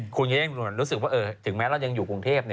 คุณจะยิ่งรู้สึกว่าถึงแม้เรายังอยู่กรุงเทพ